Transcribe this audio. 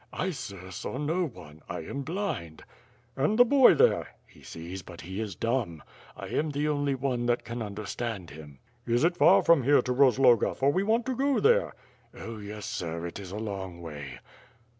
"I, sir, saw no one, I am blind." And the boy there. "He sees, but he is dumb. I am the only one that can understand him." "Is it far from here to Rozloga, for we want to go there." "Oh, yes, it is a long way."